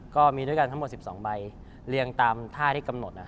ก็มีด้วยกันทั้งหมด๑๒ใบเรียงตามท่าที่กำหนด